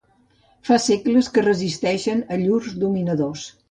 Fa segles que resisteixen a llurs dominadors.